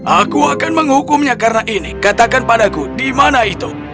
aku akan menghukumnya karena ini katakan padaku di mana itu